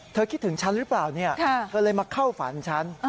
เธอคิดถึงฉันหรือเปล่าแฟะเลยมาเข้าฝันฉัน